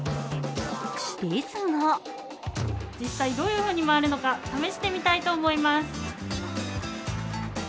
ですが実際どういうふうに回るのか、試してみたいと思います。